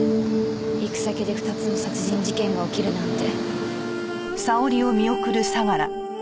行く先で２つも殺人事件が起きるなんて。